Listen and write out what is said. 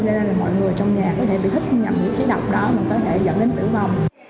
cho nên là mọi người trong nhà có thể bị hít nhầm những khí độc đó mà có thể dẫn đến tử vong